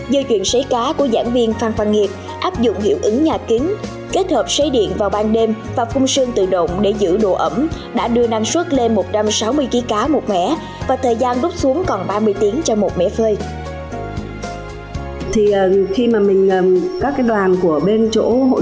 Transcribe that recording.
do chuyện xấy cá của giảng viên phan phan nghiệt áp dụng hiệu ứng nhà kính kết hợp xây điện vào ban đêm và phung sương tự động để giữ đồ ẩm đã đưa năng suất lên một trăm sáu mươi kg cá một mẻ và thời gian đút xuống còn ba mươi tiếng cho một mẻ phơi